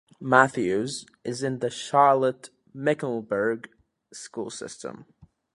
Matthews is in the Charlotte-Mecklenburg School system.